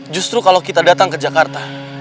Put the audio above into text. justru kalau kita datang ke jakarta